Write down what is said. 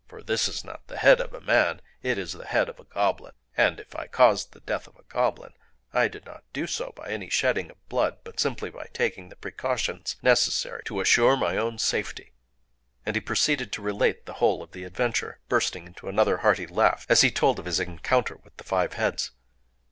For this is not the head of a man; it is the head of a goblin;—and, if I caused the death of the goblin, I did not do so by any shedding of blood, but simply by taking the precautions necessary to assure my own safety."... And he proceeded to relate the whole of the adventure,—bursting into another hearty laugh as he told of his encounter with the five heads.